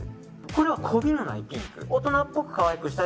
これは媚びのないピンク。